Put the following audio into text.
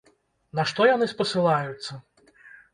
На што яны спасылаюцца?